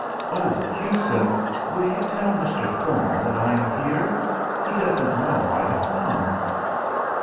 "Oh, Hughson, will you tell Mr. Thorne that I am here? He doesn't know I have come."